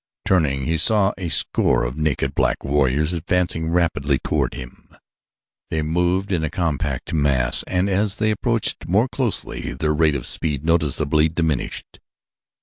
Turning, he saw a score of naked, black warriors advancing rapidly toward him. They moved in a compact mass and as they approached more closely their rate of speed noticeably diminished.